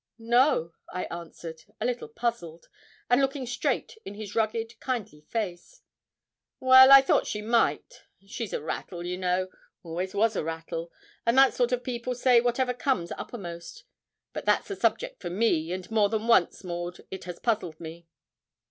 'No,' I answered, a little puzzled, and looking straight in his rugged, kindly face. 'Well, I thought she might she's a rattle, you know always was a rattle, and that sort of people say whatever comes uppermost. But that's a subject for me, and more than once, Maud, it has puzzled me.'